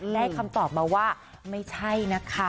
ได้คำตอบมาว่าไม่ใช่นะคะ